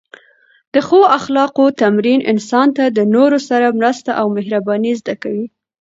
د ښو اخلاقو تمرین انسان ته د نورو سره مرسته او مهرباني زده کوي.